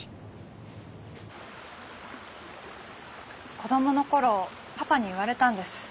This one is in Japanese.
子供の頃パパに言われたんです。